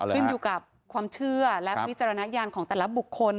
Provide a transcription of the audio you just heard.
ขึ้นอยู่กับความเชื่อและวิจารณญาณของแต่ละบุคคล